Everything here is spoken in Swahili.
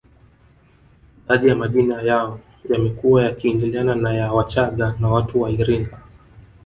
Baadhi ya majina yao yamekuwa yakiingiliana na ya wachaga na watu wa iringa